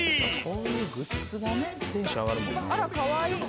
「こういうグッズがねテンション上がるもんね」